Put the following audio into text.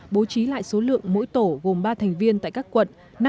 bố trí lại số lượng mỗi tổ gồm ba thành viên tại các quận